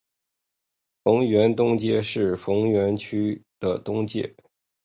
逢源东街是逢源区的东界。